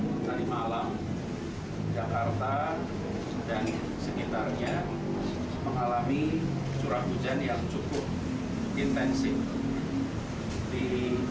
sejak hari malam jakarta dan sekitarnya mengalami curah hujan yang cukup